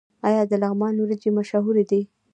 آیا د لغمان وریجې مشهورې دي؟